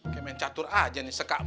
kayak main catur aja nih sekak mat gitu